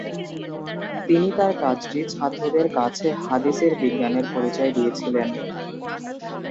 তিনি তাঁর কাজটি ছাত্রদের কাছে হাদীসের বিজ্ঞানের পরিচয় দিয়েছিলেন।